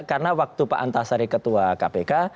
karena waktu pak antasari ketua kpk